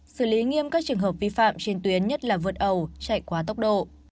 xử lý nghiêm các trường hợp vi phạm trên tuyến nhất là vượt ẩu chạy quá tốc độ